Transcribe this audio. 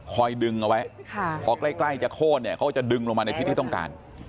ดึงเอาไว้พอใกล้จะโค้นเนี่ยเขาก็จะดึงลงมาในทิศที่ต้องการ